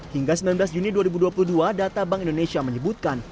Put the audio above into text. hingga sembilan belas juni dua ribu dua puluh dua data bank indonesia menyebutkan